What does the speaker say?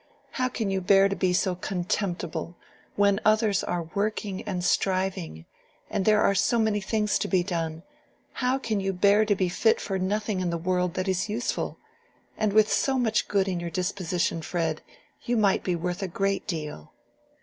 How can you bear to be so contemptible, when others are working and striving, and there are so many things to be done—how can you bear to be fit for nothing in the world that is useful? And with so much good in your disposition, Fred,—you might be worth a great deal."